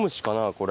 これ。